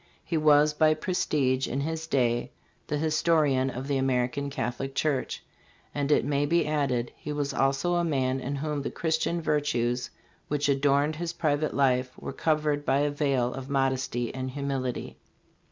He was by prestige in his day the histo rian of the American Catholic Church." And, it maybe added, he was also a man in whom the Christian virtues which adorned his private life were covered by a veil of modesty and humility.